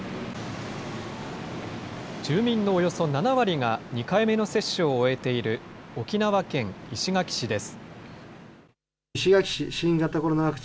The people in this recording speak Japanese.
住民のおよそ７割が２回目の接種を終えている沖縄県石垣市です。